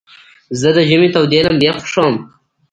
زه د ژمي تودي لمبي خوښوم.